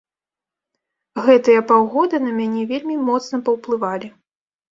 Гэтыя паўгода на мяне вельмі моцна паўплывалі.